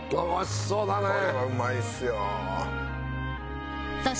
美味しそうだね！